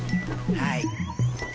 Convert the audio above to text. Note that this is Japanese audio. はい。